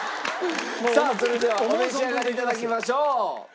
さあそれではお召し上がり頂きましょう。